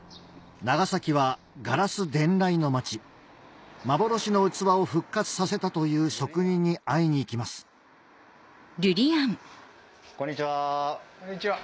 長崎はガラス伝来の町幻の器を復活させたという職人に会いに行きますこんにちは。